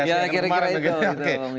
rupanya itu yang diresekin kemarin